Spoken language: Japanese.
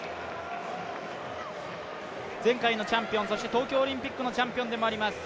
前回のチャンピオン東京オリンピックのチャンピオンでもあります